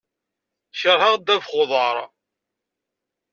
Keṛheɣ ddabex n uḍaṛ.